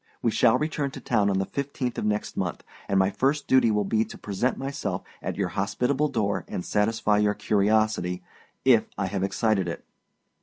We shall return to town on the 15th of next month, and my first duty will be to present myself at your hospitable door and satisfy your curiosity, if I have excited it.